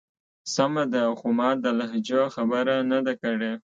سمه ده. خو ما د لهجو خبره نه ده کړی.